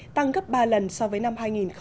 tăng gấp ba lần so với năm hai nghìn một mươi bảy